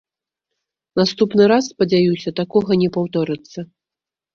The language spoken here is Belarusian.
Наступны раз, спадзяюся, такога не паўторыцца.